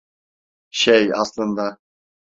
Şey, aslında…